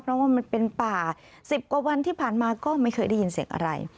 เพราะว่ามันเป็นป่า๑๐กว่าวันที่ผ่านมาก็ไม่เคยได้ยินเสียงอะไร